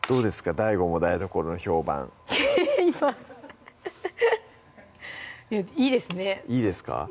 ＤＡＩＧＯも台所の評判いやいいですねいいですか